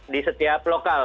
di setiap lokal